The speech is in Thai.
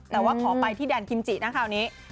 แต่ว่าขอไปที่แดนกิมจินะคราวนี้